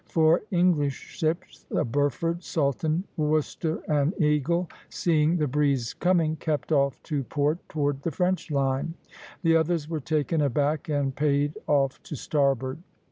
Four English ships, the "Burford," "Sultan" (s), "Worcester," and "Eagle," seeing the breeze coming, kept off to port, toward the French line; the others were taken aback and paid off to starboard.